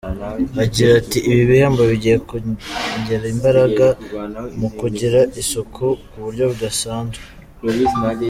Agira ati “Ibi bihembo bigiye kongera imbaraga mu kugira isuku ku buryo budasanzwe.